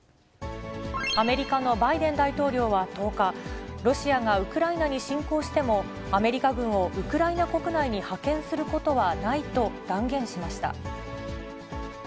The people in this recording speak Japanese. アメリカのバイデン大統領は１０日、ロシアがウクライナに侵攻しても、アメリカ軍をウクライナ国内に派遣することはないと断言しました。